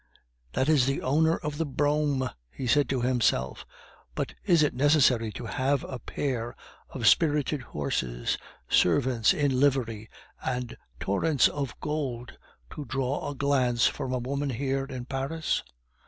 "That is the owner of the brougham!" he said to himself. "But is it necessary to have a pair of spirited horses, servants in livery, and torrents of gold to draw a glance from a woman here in Paris?"